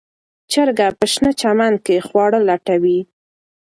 چرګه په شنه چمن کې خواړه لټوي.